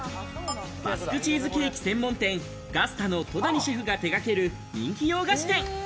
バスクチーズケーキ専門店ＧＡＺＴＡの戸谷シェフが手掛ける人気洋菓子店。